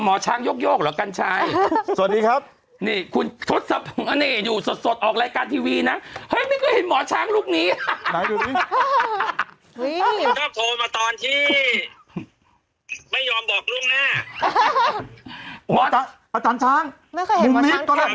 อ๋อหมอช้างโยกเหรอกันชัยคุณชดสนุกออกรายการทีวีนะไม่เคยเห็นหมอช้างลูกนี้ไหนดูดิ